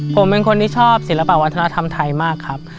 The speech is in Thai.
ผมเป็นคนที่ชอบศิลปะวัฒนธรรมไทยมากครับ